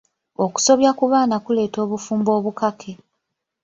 Okusobya ku baana kuleeta obufumbo obukake.